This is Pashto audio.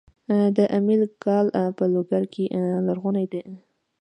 د امیل کلا په لوګر کې لرغونې ده